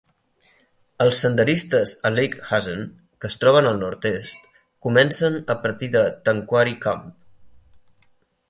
Els senderistes a Lake Hazen, que es troben a al nord-est, comencen a partir de Tanquary Camp.